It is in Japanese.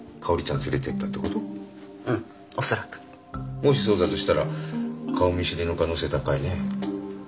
もしそうだとしたら顔見知りの可能性高いね。